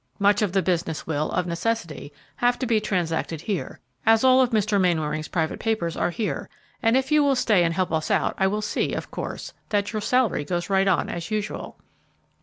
Much of the business will, of necessity, have to be transacted here, as all of Mr. Mainwaring's private papers are here, and if you will stay and help us out I will see, of course, that your salary goes right on as usual."